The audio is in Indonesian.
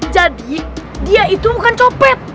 jadi dia itu bukan copet